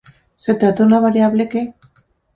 Se trata de una variable que.